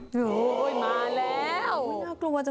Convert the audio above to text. โอ้โหมาแล้ว